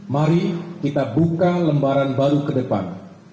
mari kita buka lembaran baru ke depan